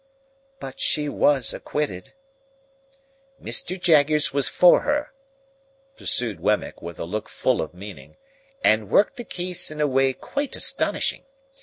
"But she was acquitted." "Mr. Jaggers was for her," pursued Wemmick, with a look full of meaning, "and worked the case in a way quite astonishing.